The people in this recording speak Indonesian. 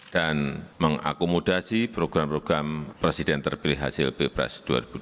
dan mengakomodasi program program presiden terpilih hasil bpres dua ribu dua puluh empat